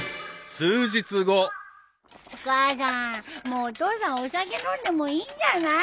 もうお父さんお酒飲んでもいいんじゃない？